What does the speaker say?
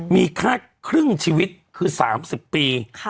มีค่าครึ่งชีวิตคือ๓๐ปี